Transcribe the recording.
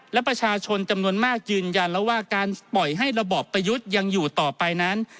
และประชาชนจำนวนมากยืนยันแล้วว่าการปล่อยให้ระบอบประยุทธ์ยังอยู่ต่อไปนั้น